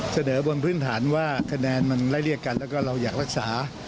เสนอบนพื้นฐานว่าคะแนนมันไล่เรียกกันแล้วก็เราอยากรักษา